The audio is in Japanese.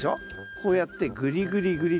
こうやってグリグリグリと。